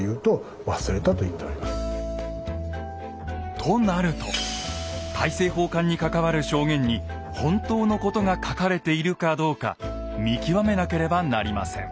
となると大政奉還に関わる証言に本当のことが書かれているかどうか見極めなければなりません。